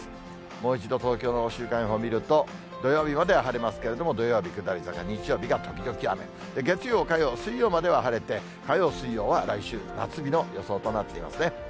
もう一度東京の週間予報見ると、土曜日までは晴れますけれども、土曜日下り坂、日曜日が時々雨、月曜、火曜、水曜までは晴れて、火曜、水曜は来週、夏日の予想となっていますね。